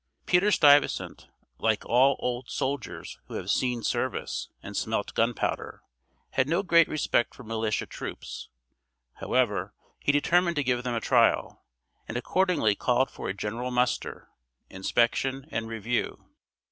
Peter Stuyvesant, like all old soldiers who have seen service and smelt gunpowder, had no great respect for militia troops: however, he determined to give them a trial, and accordingly called for a general muster, inspection, and review.